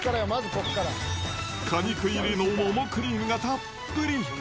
果肉入りの桃クリームがたっぷり。